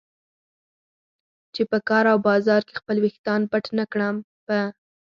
چې په کار او بازار کې خپل ویښتان پټ نه کړم. په